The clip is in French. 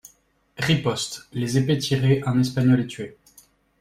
Riposte, les épées tirées ; un Espagnol est tué.